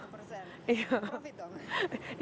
profit dong ya